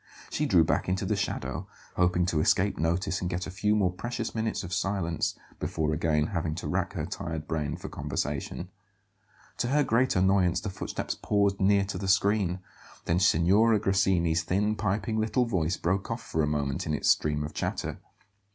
She drew back into the shadow, hoping to escape notice and get a few more precious minutes of silence before again having to rack her tired brain for conversation. To her great annoyance the footsteps paused near to the screen; then Signora Grassini's thin, piping little voice broke off for a moment in its stream of chatter.